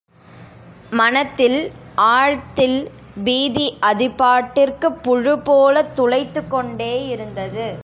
மனத்தில், ஆழத்தில் பீதி அதுபாட்டிற்குப் புழுப்போலத் துளைத்துக்கொண்டே இருந்தது.